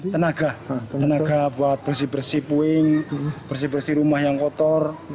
tenaga tenaga buat bersih bersih puing bersih bersih rumah yang kotor